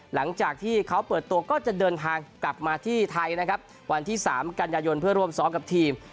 หลังจากที่เขาเปิดตัวก็จะเดินทางกลับมาที่ไทยนะครับวันที่๓กันยายนเพื่อร่วมซ้อมกับทีม